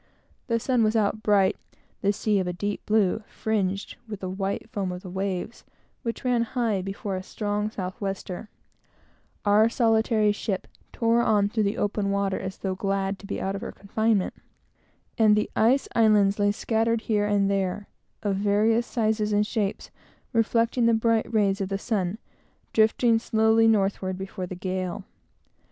The sun was out bright, the sea of a deep blue, fringed with the white foam of the waves which ran high before a strong south wester; our solitary ship tore on through the water, as though glad to be out of her confinement; and the ice islands lay scattered upon the ocean here and there, of various sizes and shapes, reflecting the bright rays of the sun, and drifting slowly northward before the gale.